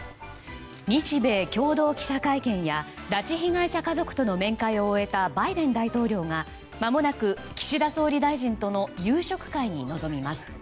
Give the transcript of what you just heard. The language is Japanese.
日米共同会見や拉致被害者家族との面会を終えたバイデン大統領がまもなく岸田総理大臣との夕食会に臨みます。